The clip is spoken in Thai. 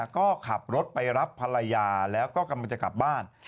ก็ขับรถไปรับภรรยาแล้วก็กำลังจะกลับบ้าน